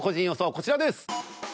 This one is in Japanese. こちらです。